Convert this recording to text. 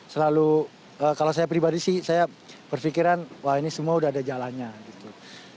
selalu kalau saya pribadi sih saya berpikiran wah ini semua udah ada jalannya gitu